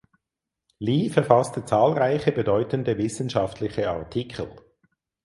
Li verfasste zahlreiche bedeutende wissenschaftliche Artikel.